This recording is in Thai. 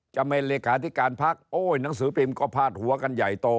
จะเป็นเลขาธิการพักโอ้ยหนังสือพิมพ์ก็พาดหัวกันใหญ่โต